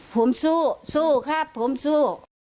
ผมสู้สู้ครับผมสู้